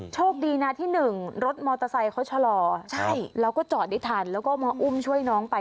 โชคดีนะที่หนึ่งรถมอเตอร์ไซค์เขาชะลอแล้วก็จอดได้ทันแล้วก็มาอุ้มช่วยน้องไป